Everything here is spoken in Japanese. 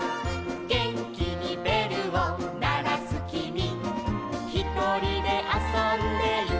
「げんきにべるをならすきみ」「ひとりであそんでいたぼくは」